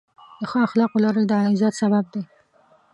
د ښو اخلاقو لرل، د عزت سبب دی.